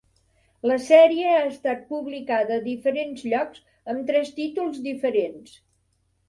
La sèrie ha estat publicada a diferents llocs amb tres títols diferents.